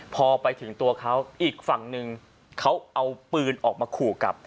พอไปถึงตัวเขาอีกฝั่งหนึ่งเขาเอาปืนออกมาขู่กลับ